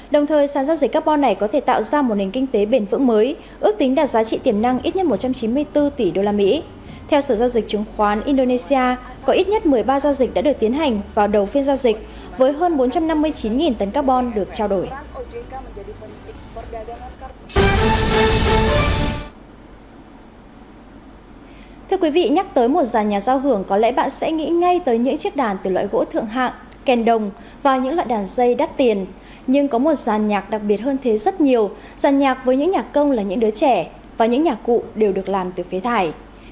đồng thời sản giao dịch carbon này có thể tạo ra một nền kinh tế bền vững mới